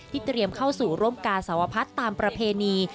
เตรียมเข้าสู่ร่วมกาสวพัฒน์ตามประเพณี